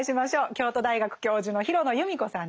京都大学教授の廣野由美子さんです。